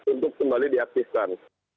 untuk kembali diaktifkan